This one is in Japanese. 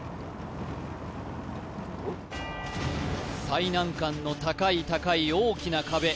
最難関の高い高い大きな壁